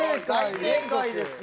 大正解ですね。